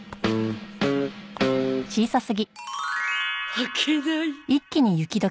履けない。